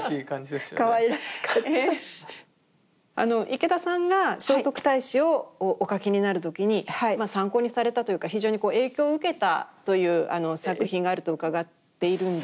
池田さんが聖徳太子をお描きになる時にまあ参考にされたというか非常に影響を受けたという作品があると伺っているんですけれど。